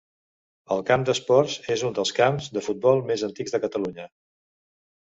El Camp d'Esports és un dels camps de futbol més antics de Catalunya.